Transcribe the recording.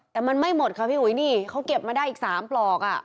แต่มันไม่หมดค่ะพี่อุ๋ยนี่เขาเก็บมาได้อีก๓ปลอกอ่ะ